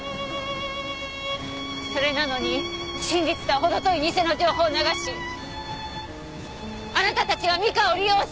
それなのに真実とはほど遠い偽の情報を流しあなたたちは美香を利用した！